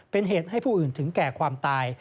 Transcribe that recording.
เป็นเหตุให้ผู้อื่นถึงแก่ความตาย